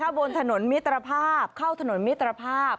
บนถนนมิตรภาพเข้าถนนมิตรภาพ